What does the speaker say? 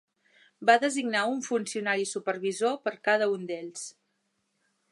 Va designar un funcionari supervisor per a cada un d'ells.